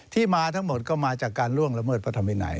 ที่มาทั้งหมดก็มาจากการล่วงละเมิดพระธรรมวินัย